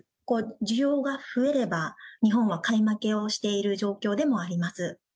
需要が増えれば、日本は買い負けをしている状況でもあります。